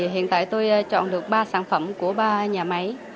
hiện tại tôi chọn được ba sản phẩm của ba nhà máy